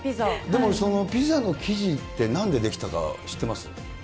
でもそのピザの生地ってなんで出来たか知ってます？